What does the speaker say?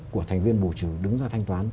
của thành viên bù trừ đứng ra thanh toán